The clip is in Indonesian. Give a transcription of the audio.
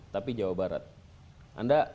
tapi jawa barat anda